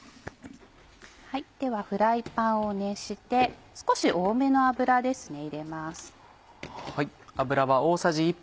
ではフライパンを熱して少し多めの油ですね入れます。